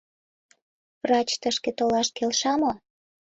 Врач тышке толаш келша мо?